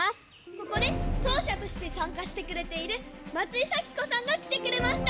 ここでそうしゃとしてさんかしてくれている松井咲子さんがきてくれました！